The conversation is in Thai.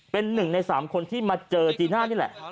เป็นหนึ่งใน๓คนที่มาเจอจีน่านี่แหละ